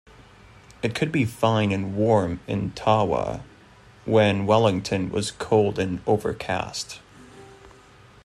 It could be fine and warm in Tawa when Wellington was cold and overcast.